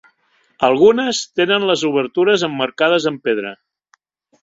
Algunes tenen les obertures emmarcades en pedra.